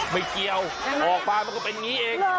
ไม่เกี่ยวออกมาก็งี้เอง